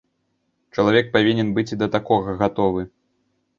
Чалавек павінен быць і да такога гатовы.